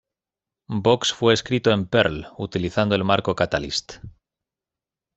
Vox fue escrito en Perl, utilizando el marco Catalyst.